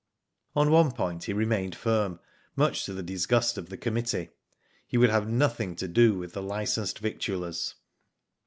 On one point he remained firm, much to the disgust of the committee. He would have nothing to do with the licensed victuallers.